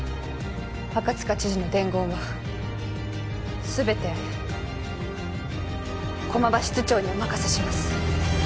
赤塚知事の伝言は全て駒場室長にお任せします